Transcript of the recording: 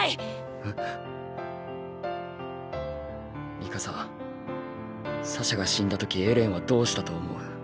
ミカササシャが死んだ時エレンはどうしたと思う？